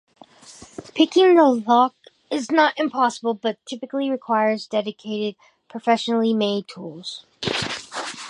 Picking the lock is not impossible but typically requires dedicated, professionally-made tools.